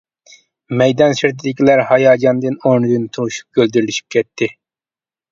مەيدان سىرتىدىكىلەر ھاياجاندىن ئورنىدىن تۇرۇشۇپ، گۈلدۈرلىشىپ كەتتى.